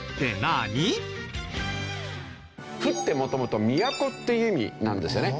府って元々「みやこ」っていう意味なんですよね。